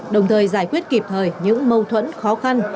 đồng thời giải quyết kịp thời những mâu thuẫn khó khăn